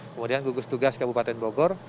kemudian gugus tugas kabupaten bogor